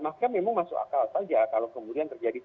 maka memang masuk akal saja kalau kemudian terjadi